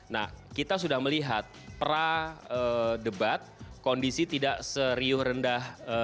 nah kita sudah melihat pra debat kondisi tidak seriuh rendah